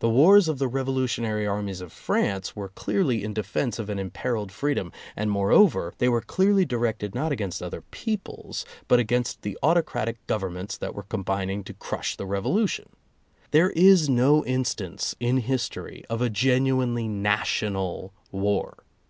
The wars of the Revolu tionary armies of France were clearly in defense of an imperiled freedom, and, moreover, they were clearly directed not against other peoples, but against the autocratic governments that were combining to crush the Revolution. There is no instance in history of a genuinely national war.